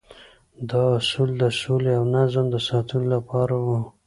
دا اصول د سولې او نظم د ساتلو لپاره وو.